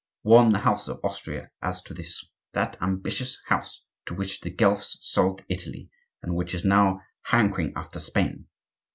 Warn the house of Austria as to this,—that ambitious house to which the Guelphs sold Italy, and which is even now hankering after Spain.